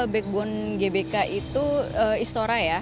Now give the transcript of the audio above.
backbone gbk itu istora ya